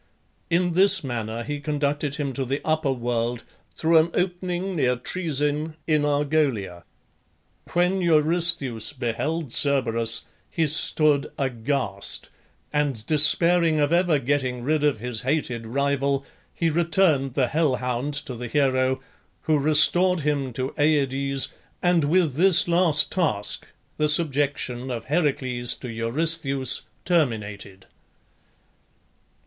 In this manner he conducted him to the upper world, through an opening near Troezen in Argolia. When Eurystheus beheld Cerberus he stood aghast, and despairing of ever getting rid of his hated rival, he returned the hell hound to the hero, who restored him to Aides, and with this last task the subjection of Heracles to Eurystheus terminated.